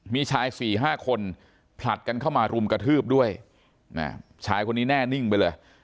มีชายสี่ห้าคนผลัดกันเข้ามารุมกระทืบด้วยชายคนนี้แน่นิ่งไปเลย